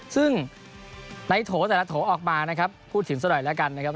ซึ่งในโถแต่ละโถออกมานะครับพูดถึงซะหน่อยแล้วกันนะครับ